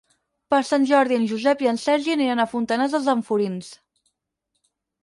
Per Sant Jordi en Josep i en Sergi iran a Fontanars dels Alforins.